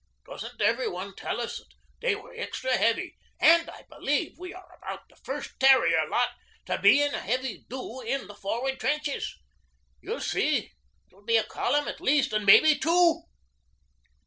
Doesn't every one tell us they were extra heavy? And I believe we are about the first Terrier lot to be in a heavy "do" in the forward trenches. You see it'll be a column at least, and may be two.'